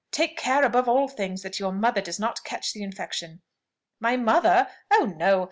Take care, above all things, that your mother does not catch the infection." "My mother! Oh no!